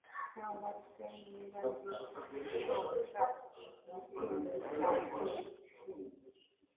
Cyangwa se niba ndi shobuja igitinyiro cyanjye kiri